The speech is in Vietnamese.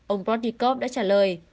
ông protnikov đã trả lời